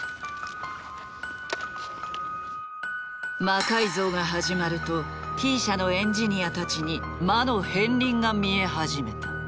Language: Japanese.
魔改造が始まるとＴ社のエンジニアたちに魔の片りんが見え始めた。